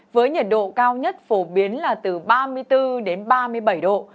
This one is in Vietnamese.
với nhiệt độ cao nhất phổ biến là từ ba mươi bốn đến ba mươi bảy độ